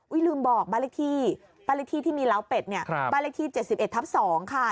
อุ้ยลืมบอกบรรยาที่บรรยาที่ที่มีร้าวเป็ดเนี่ยบรรยาที่๗๑ทับ๒ค่ะ